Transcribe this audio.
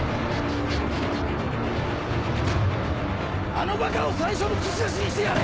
あのバカを最初の串刺しにしてやれ！